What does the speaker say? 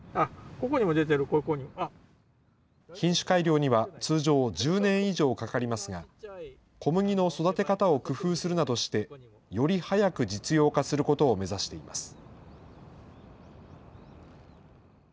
品種改良には通常、１０年以上かかりますが、小麦の育て方を工夫するなどして、より早く実用化することを目指しています。